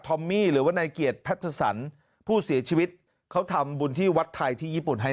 อมมี่หรือว่านายเกียรติแพทสันผู้เสียชีวิตเขาทำบุญที่วัดไทยที่ญี่ปุ่นให้